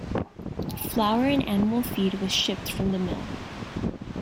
Flour and animal feed was shipped from the mill.